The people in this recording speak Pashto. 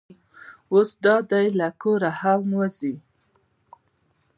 اوس دا دی له کوره هم وځي.